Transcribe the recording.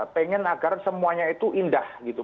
pengen agar semuanya itu indah gitu